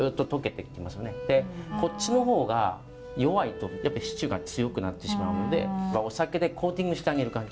こっちの方が弱いとシチューが強くなってしまうのでお酒でコーティングしてあげる感じ。